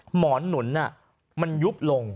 หมอนหนุนมันยุบลง